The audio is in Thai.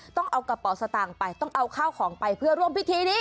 ต้องเอากระเป๋าสตางค์ไปต้องเอาข้าวของไปเพื่อร่วมพิธีนี้